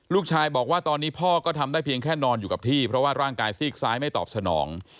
ลูกชายบอกว่าตอนนี้พ่อก็ทำได้เพียงแค่นอนอยู่กับที่เพราะว่าร่างกายซีกซ้ายไม่ตอบสนอง